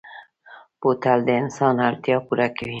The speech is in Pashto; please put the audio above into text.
بوتل د انسان اړتیا پوره کوي.